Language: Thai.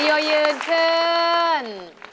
โยยืนขึ้น